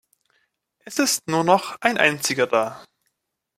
Es ist nur noch ein einziger da.